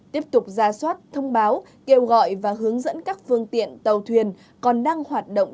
tiếp tục ra soát thông báo kêu gọi và hướng dẫn các phương tiện tàu thuyền còn đang hoạt động